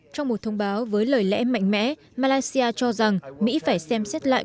trong một thông báo với lời lẽ mạnh mẽ malaysia cho rằng mỹ phải xem xét lại